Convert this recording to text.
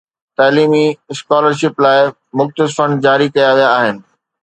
تعليمي scholarship لاءِ مختص فنڊ جاري ڪيا ويا آهن.